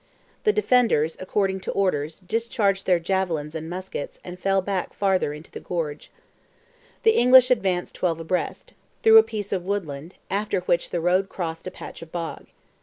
The defenders, according to orders, discharged their javelins and muskets, and fell back farther into the gorge. The English advanced twelve abreast, through a piece of woodland, after which the road crossed a patch of bog.